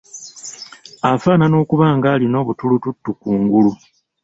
Afaanana okuba ng’alina obutulututtu ku ngulu.